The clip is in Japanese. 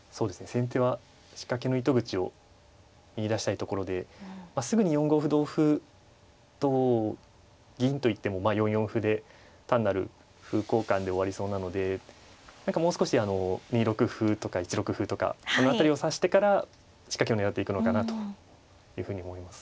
先手は仕掛けの糸口を見いだしたいところですぐに４五歩同歩同銀と行っても４四歩で単なる歩交換で終わりそうなので何かもう少し２六歩とか１六歩とかその辺りを指してから仕掛けを狙っていくのかなというふうに思います。